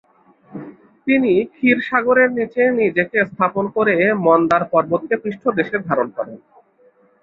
তিনি ক্ষীরসাগরের নিচে নিজেকে স্থাপন করে মন্দার পর্বতকে পৃষ্ঠদেশে ধারণ করেন।